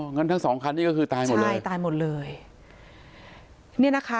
งั้นทั้งสองคันนี่ก็คือตายหมดเลยใช่ตายหมดเลยเนี่ยนะคะ